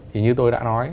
thì như tôi đã nói